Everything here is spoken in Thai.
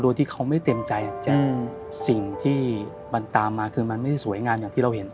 โดยที่เขาไม่เต็มใจอ่ะแจ๊คสิ่งที่มันตามมาคือมันไม่ได้สวยงามอย่างที่เราเห็น